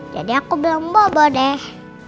jadi aku bilang bobo deh